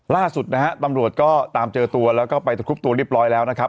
ล่าสุดนะฮะตำรวจก็ตามเจอตัวแล้วก็ไปตะครุบตัวเรียบร้อยแล้วนะครับ